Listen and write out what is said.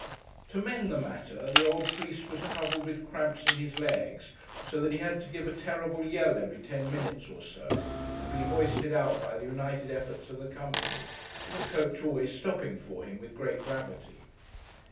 To mend the matter, the old priest was troubled with cramps in his legs, so that he had to give a terrible yell every ten minutes or so, and be hoisted out by the united efforts of the company; the coach always stopping for him, with great gravity.